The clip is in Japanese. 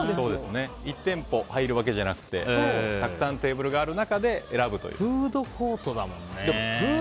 １店舗入るわけじゃなくてたくさん、テーブルがある中でフードコートだもんね。